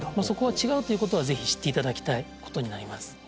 そこは違うということはぜひ知っていただきたいことになります